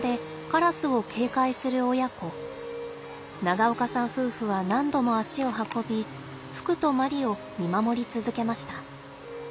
長岡さん夫婦は何度も足を運びふくとまりを見守り続けました。